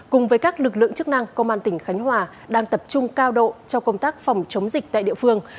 cùng với các lực lượng chức năng công an tỉnh khánh hòa đang tập trung cao độ trong công tác phòng chống dịch tại địa phương